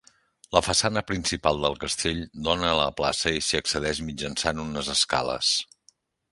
La façana principal del castell dóna a la plaça i s'hi accedeix mitjançant unes escales.